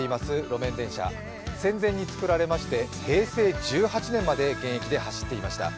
路面電車、戦前に作られまして平成１８年まで現役で走っていました。